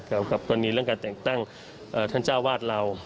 เกี่ยวกับตอนนี้เรื่องการแต่งตั้งท่านเจ้าวาดเรา